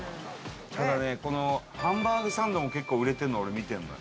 ただねこのハンバーグサンドも結構売れてるのは俺見てるのよ。